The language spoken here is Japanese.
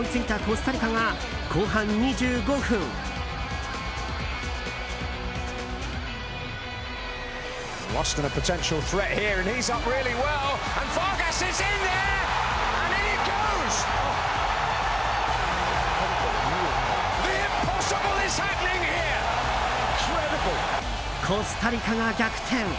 コスタリカが逆転！